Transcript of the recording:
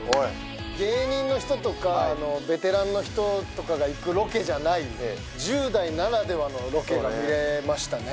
芸人とかベテランの人が行くロケじゃないんで１０代ならではのロケが見れましたね。